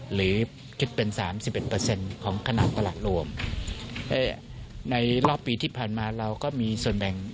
หรือคิดเป็นสามสิบเอ็ดเปอร์เซ็นต์ของขนาดตลาดรวมในรอบปีที่ผ่านมาเราก็มีส่วนแบ่ง